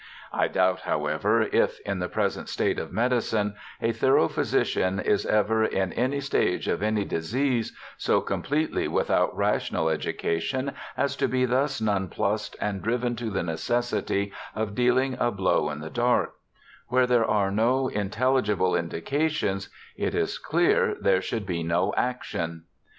I doubt, how ever, if, in the present state of medicine, a thorough physician is ever, in any stage of any disease, so com pletely without rational education as to be thus non plussed, and driven to the necessity of dealing a blow in the dark ; where there are no intelligible indications, it is clear there should be no action.